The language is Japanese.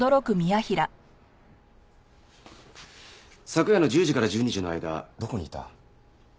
昨夜の１０時から１２時の間どこにいた？